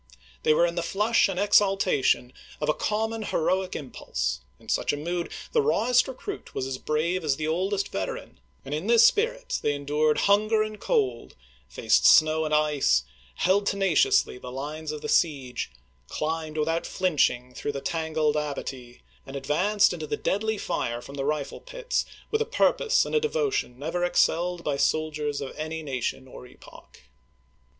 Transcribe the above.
They were in the flush and exaltation of a common heroic im jjulse: in such a mood, the rawest recruit was as brave as the oldest veteran; and in this spirit they endured hunger and cold, faced snow and ice, FOET DONELSON 195 held tenaciously the lines of the siege, climbed chap. xi. without flinching through the tangled abatis, and advanced into the deadly fire from the rifle pits with a purpose and a devotion never excelled by soldiers of any nation or epoch.